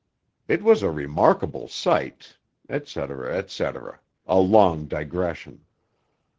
It was a remarkable sight, etc. etc._ (a long digression)....